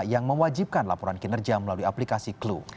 yang mewajibkan laporan kinerja melalui aplikasi clue